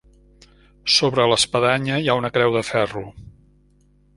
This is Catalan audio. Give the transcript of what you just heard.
Sobre l'espadanya hi ha una creu de ferro.